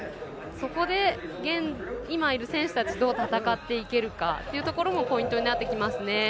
そこで、今いる選手たちがどう戦っていけるかというところもポイントになってきますね。